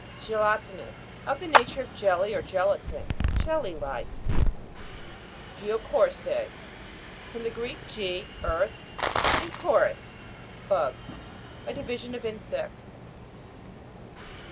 GELA'TINOUS. Of the nature of jelly or gelatine : jelly like. GEO'COKIS^E. From the Greek, ge, earth, and koris, bug. A division of insects.